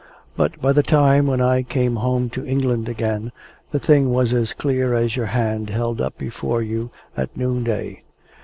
But, by the time when I came home to England again, the thing was as clear as your hand held up before you at noon day.